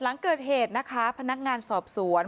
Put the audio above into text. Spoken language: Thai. หลังเกิดเหตุนะคะพนักงานสอบสวน